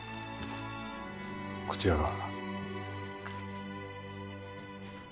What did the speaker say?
こちらが。